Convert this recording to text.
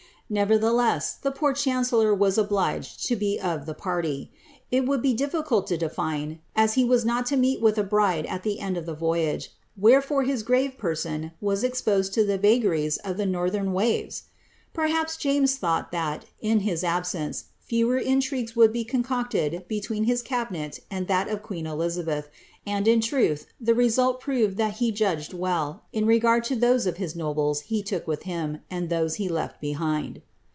Nevertheless, the poor chancellor v,a obliged to be of the party. It would he diiricult to detine, as he uss not lo meet with a bride at the end of the voyage, wherefore his ^rave person was exposed to ihe vaijaries of the northern waves ■ Perhaps James thought that, in his absence, fewer intrigues would be concocaii between his cabinet and that of queen Elizabeth, and, in truth, the result proved tliat he judged well, in regard to those of his nobles he look Mi:h him. and those he left behini).